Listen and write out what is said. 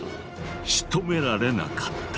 しとめられなかった。